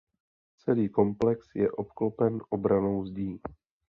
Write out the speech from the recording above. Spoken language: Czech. Celý komplex je obklopen obrannou zdí.